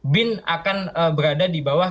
bin akan berada di bawah